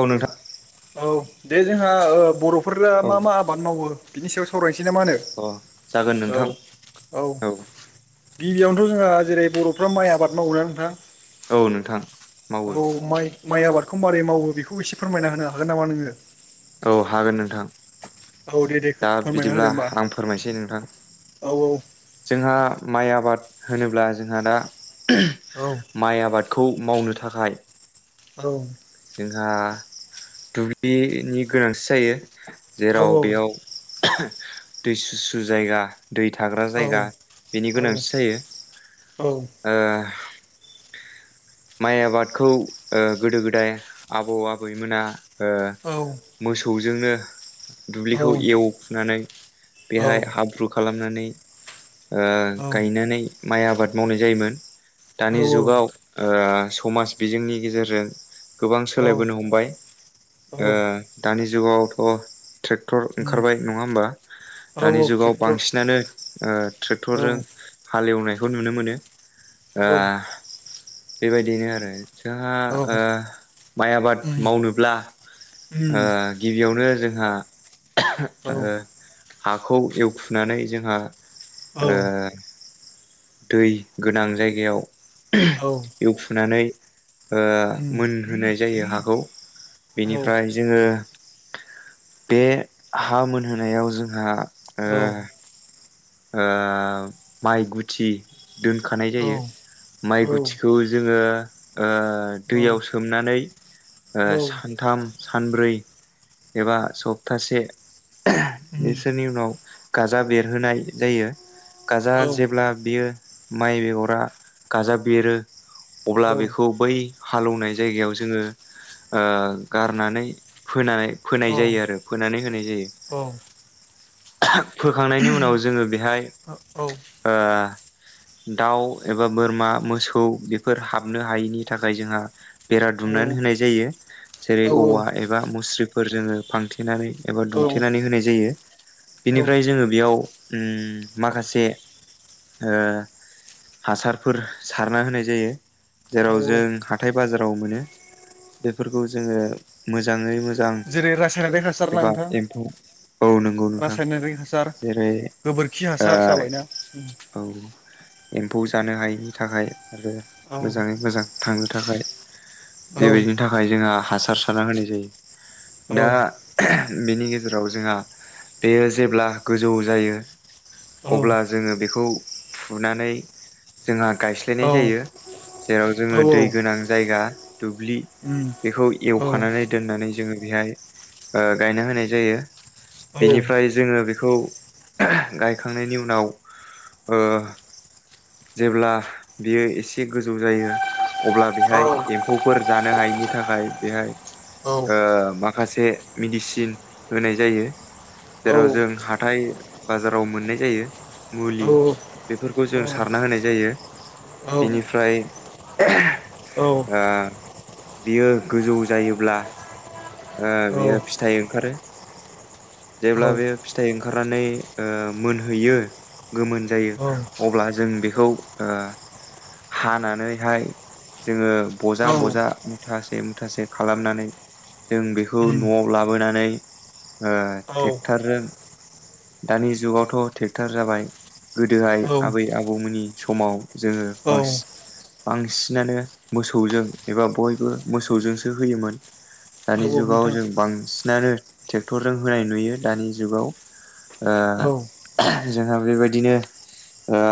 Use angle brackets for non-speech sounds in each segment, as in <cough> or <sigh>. औ नोंथां। औ दे जोंहा बर'फोरा औ मा -मा आबाद मावो बिनि सायाव सावराय सैना मा होनो अ जागोन औ नोंथां -औ। औ गिबियावनोथ' जोंहा जेरै बर'फ्रा माइ आबाद मावोना नोंथां? औ नोंथां मावो। औ माइ माइ आबादखौ माबारै मावो बेखौ एसे फोरमायना होनो हागोन नामा नोङो? औ हागोन नोंथां औ दे दे दा फोरमायना होदो बिदिब्ला होमबा आं फोरमायसै नोंथां। औ जोंहा माइया आबाद होनोब्ला जोंहा दा औ माइ आबादखौ मावनो थाखाय औ। जोंहा दुब्लिनि गोनांथि जायो। जेराव औ बेयाव दै सुसु जायगा दै थाग्रा औ जायगा बेनि गोनांथि औ जायो। औ माइ आबादखौ ओ गोदो -गोदाय आबौ आबैमोना ओ औ औ मोसौजोंनो दुब्लिखौ औ एवखुनानै बेहाय हाब्रु खालामनानै ओ गायनानै माइ आबाद मावनाय जायोमोन दानि जुगाव ओ समाज बिजोंनि गेजेरजों गोबां सोलायबोनो हमबाय ओ दानि ज जुउगावथ' ट्रेक्टर उम ओंखारबाय नङा होमबा? औ दानि जुगाव ट्रेक्टर बांसिनानो औ ट्रेक्टरजों ओ हालेवनाय बेखौ नुनो मोनो ओ बेबायदिनो आरो। जोंहा औ ओ माइ आबाद उम मावनोब्ला उम ओ गिबियावनो जोंहा औ हाखौ एवखुनानै जोंहा औ ओ दै गोनां जायगायाव औ एवखुनानै ओ उम मोनहोनाय जायो हाखौ औ बेनिफ्राय जोङो बे हा मोनहोनायाव जोंहा ओ ओ माइ गुथि दोनखानाय औ जायो औ माइ गुथिखौ जोङो ओ उम दैयाव सोमनानै सानथाम ओ सानब्रै एबा सप्तासे बिसोरनि उनाव गाजा बेरहोनाय जायो औ गाजा जेब्ला बियो माइ बेगरा गाजाब बेरो औ अब्ला बेखौ बै हालेवनाय जायगायाव जोङो ओ गारनानै फोनानै फोनाय जायो आरो फोनानै होनाय जायो फोखांनायनि उनाव जोङो बेहाय ओ दाउ एबा बोरमा मोसौ बेफोर हाबनो हायैनि थाखाय जोंहा बेरा दुमनानै होनाय जायो औ जेरै औवा एबा मुस्रिफोर जोङो फांथेनानै एबा औ दुमथेनानै होनाय जायो औ बिनिफ्राय जोङो बेयाव उम माखासे ओ हासारफोर सारना होनाय जायो औ जेराव जों हाथाय बाजाराव मोनो बेफोरखौ जोङो मोजाङै मोजां जेरै रासायनारि हासार मोजां ना एबा नोंथां एम्फौ औ नंगौ नोंथां रासायनारि हासार जेरै गोबोरखि हासार जाबायना औ एम्फौ जानो हायिनि थाखाय आरो औ मोजाङै मोजां थांनो थाखाय औ बेबायदिनि थाखाय जोंहा हासार सारना होनाय जायो दा औ बेनि गेजेराव जोंहा बेयो जेब्ला गोजौ जायो औ अब्ला जोङो बेखौ फुनानै जोंहा गायस्लायनाय औ जायो जेराव औ जोङो दै गोनां जायगा दुब्लि उम बेखौ औ एवखानानै दोननानै जोङो बेहाय गायना होनाय जायो औ बेनिफ्राय जोङो बेखौ <unintelligible> गायखांनायनि उनाव ओ जेब्ला बियो एसे गोजौ जायो। अब्ला औ बेहाय एम्फौफोर जानो हायैनि थाखाय बेहाय औ ओ माखासे मेडिसिन होनाय जायो। जेराव जों हाथाय बाजाराव मोननाय जायो मुलि औ बेफोरखौ जों सारना होनाय जायो उम बेनिफ्राय <unintelligible> ओ बियो गोजौ जायोब्ला ओ बेयो फिथाइ ओंखारो जेब्ला बे फिथाइ ओंखारनानै ओ मोनहैयो गोमोन जायो अब्ला जों बेखौ ओ हानानैहाय जोङो बजा बजा मुथासे मुथासे खालामनानै जों बेखौ न'आव लाबोनानै ओ टेक्टरजों दानि जुगावथ' टेक्टर जाबाय गोदोहाय आबै आबौमोननि समाव जोङो औ औ बांसिन बांसिनानो मोसौजों एबा बयबो मोसौजोंसो होयोमोन औ दानि जुगाव नोंथां जों बांसिनानो टेक्टरजों होनाय नुयो दानि जुगाव औ उम ओ जोंहा बेबायदिनो ओ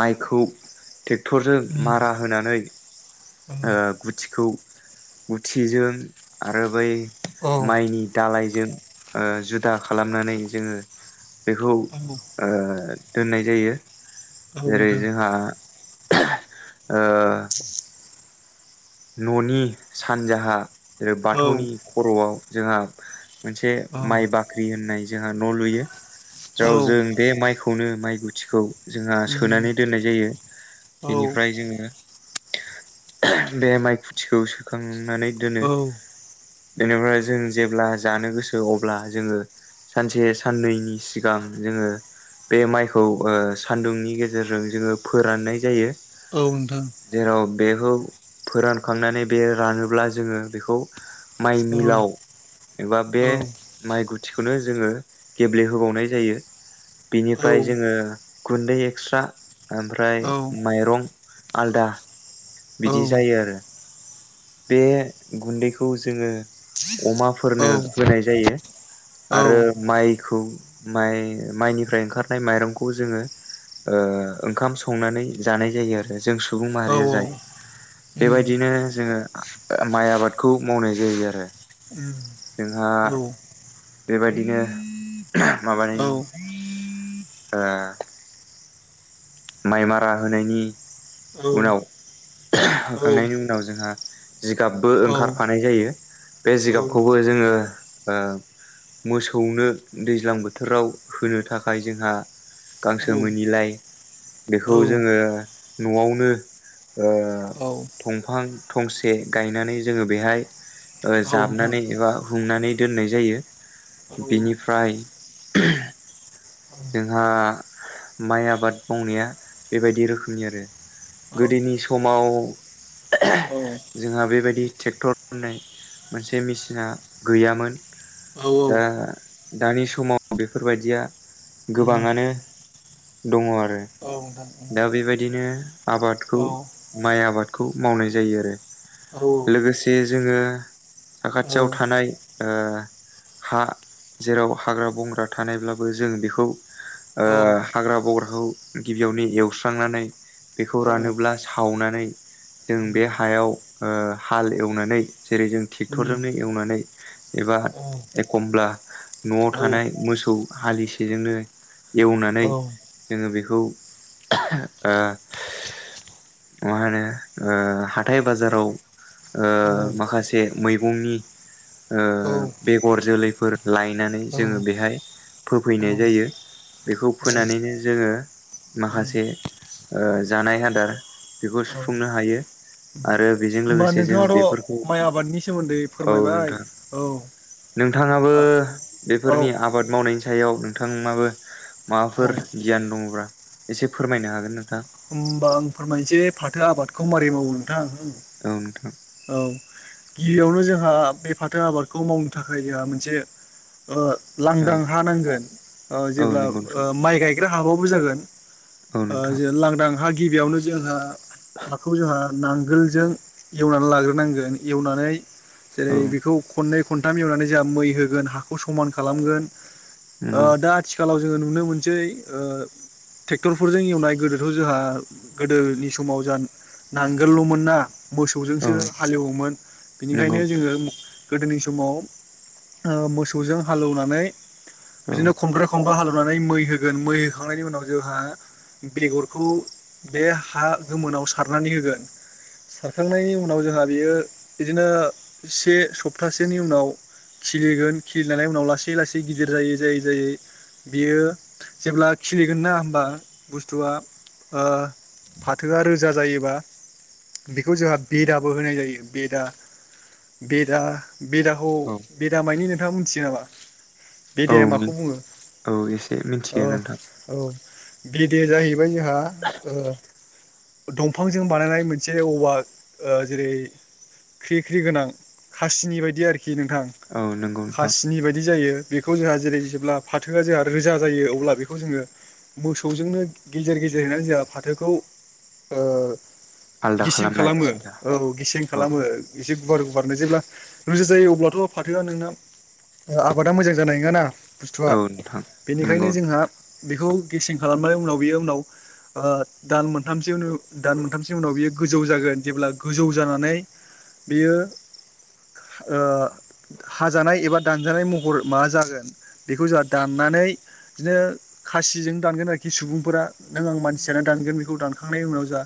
माइखौ टेक्टरजों उम मारा होनानै ओ गुथिखौ गुथिजों आरो बै औ माइनि दालायजों ओ जुदा खालामनानै जोङो बेखौ औ ओ दोननाय जायो। जेरै - नोंथां जोंहा <unintelligible> ओ न'नि सानजाहा जे औ बाथौनि खर'आव जोंहा मोनसे औ माइ बाख्रि होननाय जोंहा न' लुयो। औ जाव जों बे माइखौनो माइ गुथिखौ जोंहा उम सोनानै दोननाय जायो औ बेनिफ्राय जोङो <unintelligible> बे माइ खुथिखौ सोखांनानै दोनो। औ बेनिफ्राय जों जेब्ला जानो गोसो अब्ला जोङो सानसे साननैनि सिगां जोङो बे माइखौ ओ सान्दुंनि गेजेरजों जोङो फोराननाय जायो। औ नोंथां। जेराव बेखौ फोरानखांनानै बे रानोब्ला जोङो बेखौ औ माइ मिलाव एबा बे औ माइ गुथिखौनो जोङो गेब्लेहोबावनाय जायो। औ बेनिफ्राय जोङो गुन्दै एक्सट्रा ओमफ्राय माइरं आलदा औ बिदि औ उम औ नोंथां औ उम औ नोंथां उम औ जायो आरो। बे गुन्दैखौ जोङो अमाफोरनो औ होनाय जायो। आरो माइखौ माइ माइनिफ्राय ओंखारनाय माइरंखौ जोङो ओ ओंखाम संनानै जानाय जायो आरो जों सुबुं माहारिया जायो। बेबायदिनो जोङो माइ आबादखौ मावनाय जायो आरो जोंहा बेबायदिनो माबानि ओ माइ मारा होनायनि औ होखांनायनि उनाव जोंहा जिगाबबो ओंखारफानाय जायो। बे जिगाबखौबो जोङो ओ मोसौनो दैज्लां बोथोराव होनो थाखाय जोंहा गांसो मोनिलाय बेखौ जोङो न'आवनो ओ दंफां थंसे गायनानै जोङो बेहाय जाबनानै एबा हुंनानै दोननाय जायो बिनिफ्राय जोंहा माइ आबाद मावनाया बेबायदि रोखोमनि आरो गोदोनि समाव औ जोंहा बेबायदि ट्रेक्टर होननाय मोनसे मेसिना गैयामोन। दा दानि समाव बेफोरबायदिया गोबाङानो दङ आरो। दा बेबायदिनो आबादखौ माइ आबादखौ मावनाय जायो आरो लोगोसे जोङो साखाथियाव थानाय ओ हा जेराव हाग्रा बंग्रा थानायब्लाबो जों बेखौ औ ओ हाग्रा बग्राखौ गि बियावनो एवस्रांनानै बेखौ औ औ रानोब्ला सावनानै जों बे हायाव हाल ओ एवनानै जेरै जों ट्रेक्टरजोंनो होमबा एवनानै एबा एखमब्ला न'आव थानाय मोसौ हालिसेजोंनो एवनानै जोङो बेखौ आ मा होनो ओ हाथाय बाजाराव ओ माखासे मैगंनि ओ बेगर-जोलैफोर लायनानै जोङो बेहाय फोफैनाय जायो, बेखौ फोनानैनो जोङो माखासे ओ जानाय आदार बेखौ सुफुंनो हायो आरो बेजों लोगोसे जों नोंथाङाथ' बेफोरखौ माइ आबादनि सोमोन्दै औ फोरमायबाय नोंथां औ नोंथाङाबो औ बेफोरनि आबाद मावनायनि सायाव नोंथांङाबो औ माबाफोर गियान दङबा एसे फोरमायनो हागोन नोंथां होमबा आं फोरमायनोसै फाथो आबादखौ मारै मावो नोंथां औ नोंथां औ गिबियावनो जोंहा बे फाथो आबादखौ मावनो थाखाय जोंहा मोनसे ओ औ लांदां हा नांगोन औ जेब्ला नंगौ नोंथां माइ गायग्रा हाबाबो जागोन औ ओ नोंथां जे लांदां हा गिबियावनो जोंहा हाखौ जोंहा नांगोलजों एवनानै लाग्रोनांगोन एवनानै जेरै औ बेखौ खननै खनथाम एवनानै जोंहा मै होगोन, हाखौ समान खालामगोन नंगौ नोंथां दा आथिखालाव जोङो नुनो मोनसै ओ ट्रेक्टरफोरजों एवनाय गोदोथ' जोंहा गोदोनि समाव जों नांगोलल'मोन ना मोसौजोंसो औ हालेवोमोन नंगौ बेनिखायनो नोंथां जोङो गोदोनि समाव ओ मोसौजों हालेवनानै औ बिदिनो खमब्रै खनबा हालेव नानै मै होगोन, मै होखांनायनि उनाव जोंहा बेगरखौ बे हा गोमोनाव सारनानै होगोन सारखांनायनि उनाव जोंहा बेयो बिदिनो से सप्तासेनि उनाव खिलिगोन खिलिनानै उनाव लासै लासै गिदिर जायै जायै जायै बियो जेब्ला खिलिगोन ना होनबा बुस्थुआ ओ फाथोआ रोजा जायोबा बेखौ जोंहा बेदाबो होनाय जायो बेदा बेदा बेदाखौ औ बेदा मायनि नोंथां मिथियो नामा। बेेदाया औ माखौ बुङो औ एसे औ मिथियो नोंथां औ। बेदाया जाहैबाय जोंहा दंफांजों बानायनाय मोनसे। जेरै औवा जेरै ख्रि ख्रि गोनां हासिनि बायदि आरोखि। खि नोंथां औ नंगौ नोंथां हासिनि बायदि जायो। बेखौ जोंहा जेरै जेब्ला फाथोआ जोंहा रोजा जायो अब्ला बेखौ जोङो। मोसौजोंनो गेजेर गेजेरहैनानै जोंहा फाथोखौ। आलदा गेसें खालामनाय खालामो सुबिदा औ गेसें औ खालामो एसे गुवार गुवारनो जेब्ला। रोजा जायो अब्लाथ' फाथोआ नोंना आबादा मोजां जानाय नङाना। बुस्थुआ औ नोंथां बेनिखायनो नंगौ जोंहा नोंथां बेखौ। गेसें खालामनाय उनाव बियो उनाव दान मोनथामसो दान मोनथाम सो उनाव बियो। जोन जेब्ला गोजौ जानानै बियो। हाजानाय एबा दानजानाय महर माबा जागोन बेखौ जोंहा दाननानै। दानै बिदिनो खासिजों दानगोन आरोखि सुबुंफोरा। नों आं मानसियानो दानगोन बेखौ दानखांनायनि उनाव जोंहा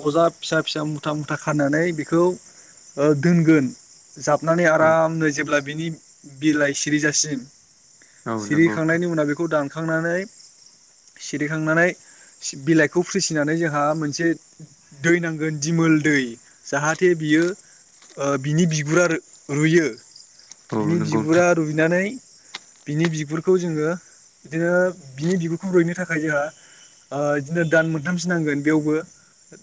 बजा। फिसा फिसा मुथा मुथा खानानै बेखौ ओ दोनगोन। जाबनानै औ आरामनो जेब्ला बिनि बिलाइ सिरिजासिम। औ नंगौ नोंथां सिरिखांनायनि उनाव बेखौ दानखांनानै सिरिखांनानै बिलाइखौ फ्रिसिनानै जोंहा मोनसे। दै नांगोन दिमोल दै जाहाथे बियो। बिनि बिगुरा रुयो औ बिनि नंगौ बिगुरा नोंथां रुयनानै। बिनि बिगुरखौ जोङो बिदिनो बिनि बिगुरखौ रुयनो थाखाय जोंहा। ओ बिदिनो दान मोनथामसो नांगोन बेयावबो।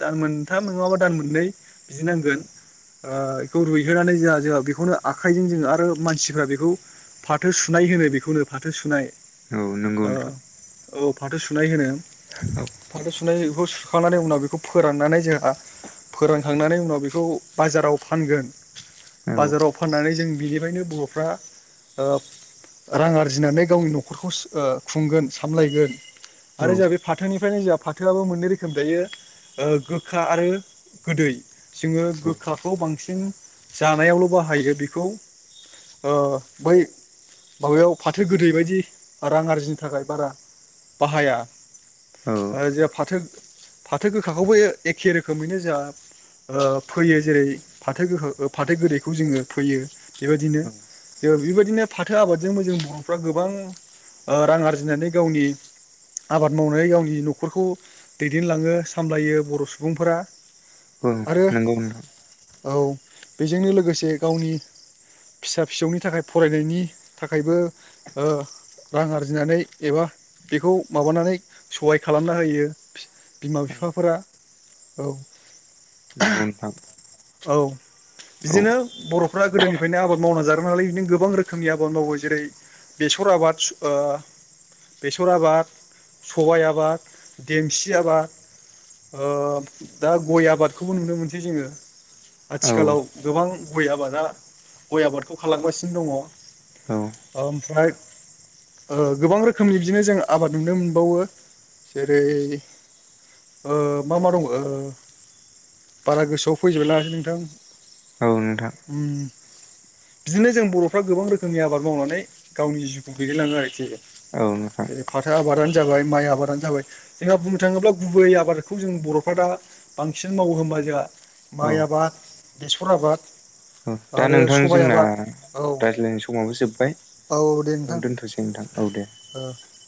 दान मोनथाम नङाबा दान मोननै बिदि नांगोन। ओ बेखौ रुयहोनानै जोंहा जोंहा बेखौनो आखाइजों जोङो आरो मानसिफ्रा बेखौ फाथो सुनाय। होनो बेखौनो फाथो सुनाय। औ नोंगौ ओ नोंथां। औ फाथो सुनाय होनो औ फाथो सुनायखौ सुखांनानै उनाव बेखौ। फोराननानै जोंहा फोरानखांनानै उनाव बेखौ बाजाराव फानगोन। बाजाराव फाननानै जों बिनिफ्रायनो बर'फ्रा। रां आरजिनानै गावनि न'खरखौ खुंगोन सामलायगोन। आरो औ जोंहा बे फाथोनिफ्रायनो जोंहा फाथोआबो मोननै रोखोम थायो गोखा आरो। गोदै जोङो औ गोखाखौ बांसिन जानायावल' बाहायो बेखौ। अ--बै बाबायाव फाथो गोदै बायदि रां आरजिनो थाखाय बारा बाहाया। जोंहा फाथो फाथो गोखाखौबो एखे रोखोमैनो जोंहा। फैयो जेरै फाथो गोखा फाथो गोदैखौ जोङो फैयो बेबायदिनो। औ जो बेबायदिनो फाथो आबादजोंबो जों बर'फ्रा गोबां रां आरजिनानै गावनि। आबाद मावनाय गावनि न'खरखौ दैदेनलाङो सामलायो बर' सुबुंफोरा। औ आरो नोंगौ नों औ बेजोंनो लोगोसे गावनि। फिसा फिसौनि थाखाय फरायनायनि थाखायबो रां आरजिनानै एबा बेखौ माबानानै सहाय खालामना होयो बिमा औ बिफा। फोरा औ नंगौ नोंथां औ। औ बिदिनो बर'फ्रा गोदोनिफ्रायनो आबाद मावनानै जागाय नालाय बिदिनो गोबां रोखोमनि आबाद मावो जेरै बेसर आबाद, ओ बेसर आबाद, सबायाइ आबाद, देमसि आबाद। ओ दा गय आबादखौबो नुनो मोनसै जोङो। औ आथिखालाव गोबां गय आबादा गय आबादखौ खालामगासिनो दङ। ओमफ्राय ओ गोबां रोखोमनि बिदिनो जों आबाद नुनो मोनबावो जेरै ओ मा मा दङ ओ बारा गोसोआवै फैजोबनो हायाखै नोंथां औ नोंथां उम बिदिनो जों बरफ्रा गोबां रोखोमनि आबाद मावनानै गावनि जिउखौ दैदेनलाङो आरोखि औ नोंथां जेरै फाथो आबादानो जाबाय माइ आबादानो जाबाय जोंहा बुंनो थाङोब्ला गुबै आबादखौ जों बरफ्रा दा बांसिन मावो होबा जोंहा औ माइ आबाद, बेसर आबाद, दा आरो नोंथां सबाइ जोंना आबाद औ रायज्लायनाय समावबो जोब्बाय। औ दे नोंथां बेयावनो दोनथसै नोंथां औ दे ओ